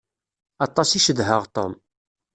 Aṭas i cedhaɣ Tom.